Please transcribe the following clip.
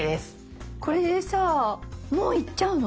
これでさぁもういっちゃうの？